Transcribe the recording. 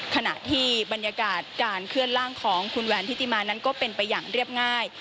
ขณะที่บรรยากาศการเคลื่อนร่างของคุณแหวนทิติมานั้นก็เป็นไปอย่างเรียบง่าย